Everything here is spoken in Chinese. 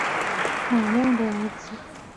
马亮的儿子